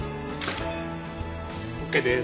ＯＫです。